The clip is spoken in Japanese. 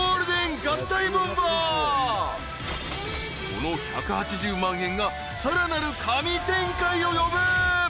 ［この１８０万円がさらなる神展開を呼ぶ］